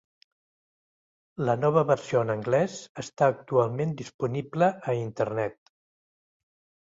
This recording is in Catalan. La nova versió en anglès està actualment disponible a internet.